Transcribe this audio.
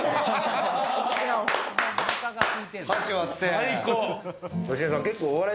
最高！